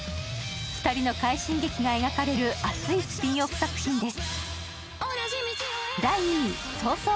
２人の快進撃が描かれる熱いスピンオフ作品です。